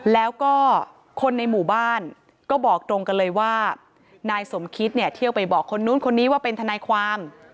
แล้วก็คนในหมู่บ้านก็บอกตรงกันเลยว่านายสมคิดเนี่ยเที่ยวไปบอกคนนู้นคนนี้ว่าเป็นทนายความ